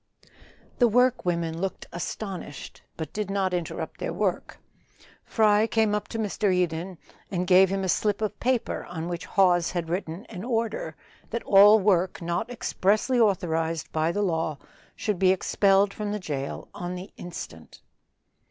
The work women looked astonished, but did not interrupt their work. Fry came up to Mr. Eden and gave him a slip of paper on which Hawes had written an order that all work not expressly authorized by the law should be expelled from the jail on the instant.